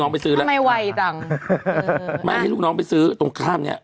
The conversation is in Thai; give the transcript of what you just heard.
ไปซื้อแล้วทำไมไวจังไม่ให้ลูกน้องไปซื้อตรงข้ามเนี้ย